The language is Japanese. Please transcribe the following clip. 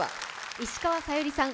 石川さゆりさん